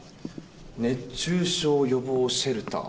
熱中症予防シェルター。